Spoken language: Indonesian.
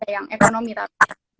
yang ekonomi saat itu